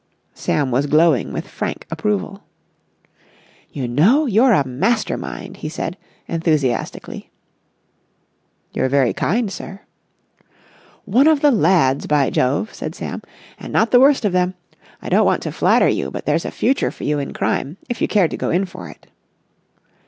Sam was glowing with frank approval. "You know, you're a master mind!" he said, enthusiastically. "You're very kind, sir!" "One of the lads, by Jove!" said Sam. "And not the worst of them! I don't want to flatter you, but there's a future for you in crime, if you cared to go in for it."